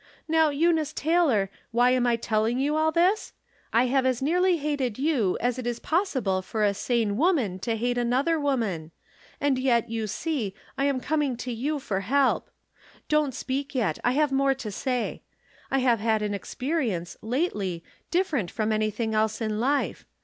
Now, Eunice Taylor, why am I telling you all tills ? I have as nearly hated you as it is pos sible for a sane woman to hate another woman ;' 336 From Different Standpoints. and yet, you see, I am coming to you for help. Don't speak yet ; I have more to say. I have had an experience, lately, different from anything else in Ufe.